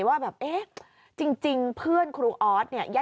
ว่าแบบเอ๊ะจริงเพื่อนครูออสเนี่ย